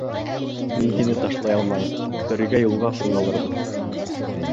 Мин һине ташлай алмайым, бергә юлға ҡуҙғалырбыҙ.